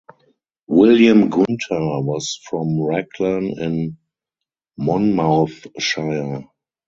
William Gunter was from Raglan in Monmouthshire.